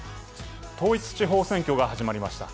統一地方選挙が始まりました。